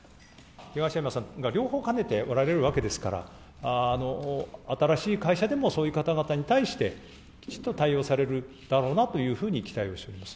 東山さんが両方兼ねておられるわけですから、新しい会社でも、そういう方々に対して、きちっと対応されるだろうなというふうに期待をしております。